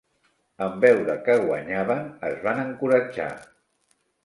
En veure que guanyaven, es van encoratjar.